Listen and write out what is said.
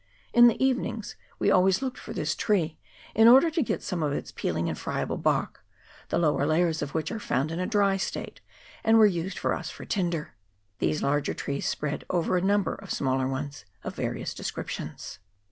' In the evenings we always looked for this tree, in order to get some of its peal ing and friable bark, the lower layers of which are found in a dry state, and were used by us for tinder. These larger trees spread over a number of smaller ones of various descriptions.